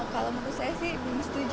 kalau menurut saya sih belum setuju